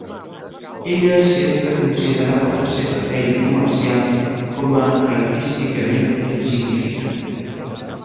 Ella sempre considerava la seva feina comercial com a artísticament insignificant.